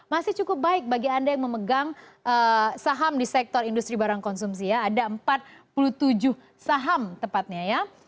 masih cukup baik bagi anda yang memegang saham di sektor industri barang konsumsi ya ada empat puluh tujuh saham tepatnya ya